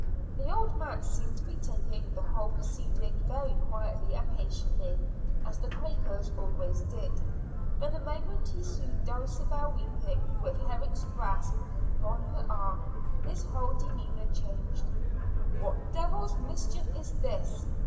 The old man seemed to be taking the whole proceeding very quietly and patiently, as the Quakers always did. But the moment he saw Dulcibel weeping, with Herrick's grasp upon her arm, his whole demeanor changed. "What devil's mischief is this?"